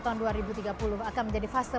tahun dua ribu tiga puluh akan menjadi fase